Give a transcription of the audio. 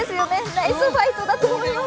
ナイスファイトだと思います。